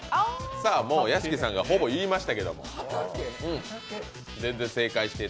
屋敷さんがほぼ言いましたけど。